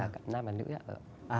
là giới nam và giới nữ